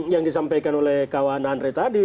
yang disampaikan oleh kawan andre tadi